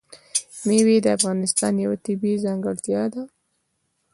مېوې د افغانستان یوه طبیعي ځانګړتیا ده.